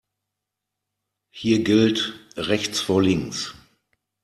Hier gilt rechts vor links.